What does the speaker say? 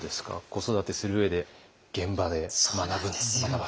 子育てする上で現場で学ぶ。